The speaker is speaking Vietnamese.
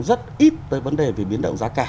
rất ít tới vấn đề về biến động giá cả